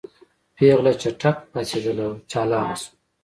پېغله چټک پاڅېدله چالانه شوه.